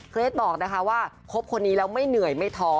เกรทบอกนะคะว่าคบคนนี้แล้วไม่เหนื่อยไม่ท้อ